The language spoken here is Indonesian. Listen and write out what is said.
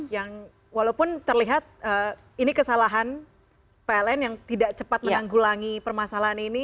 yang walaupun terlihat ini kesalahan pln yang tidak cepat menanggulangi permasalahan ini